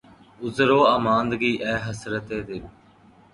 عذر واماندگی، اے حسرتِ دل!